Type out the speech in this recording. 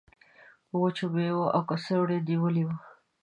وچو میوو او کڅوړو نیولی و.